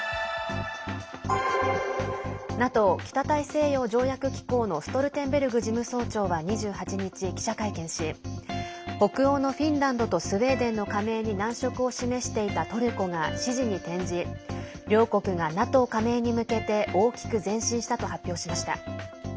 ＮＡＴＯ＝北大西洋条約機構のストルテンベルグ事務総長は２８日、記者会見し北欧のフィンランドとスウェーデンの加盟に難色を示していたトルコが支持に転じ両国がＮＡＴＯ加盟に向けて大きく前進したと発表しました。